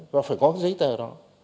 và phải có giấy tờ đó